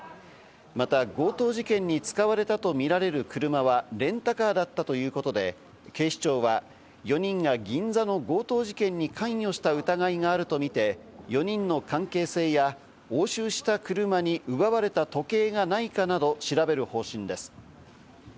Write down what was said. また強盗事件に使われたとみられる車はレンタカーだったということで、警視庁は４人が銀座の強盗事件に関与した疑いがあるとみて、４人の関係性や押収した車に奪われた時計がないかなどを調べる方針です。